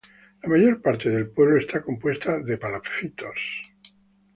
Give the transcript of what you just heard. La mayor parte del pueblo está compuesto por palafitos.